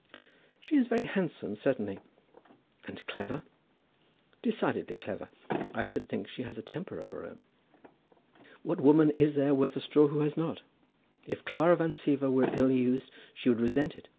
"She is very handsome, certainly." "And clever?" "Decidedly clever. I should think she has a temper of her own." "What woman is there worth a straw that has not? If Clara Van Siever were ill used, she would resent it.